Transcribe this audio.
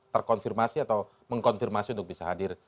terkonfirmasi atau mengkonfirmasi untuk bisa hadir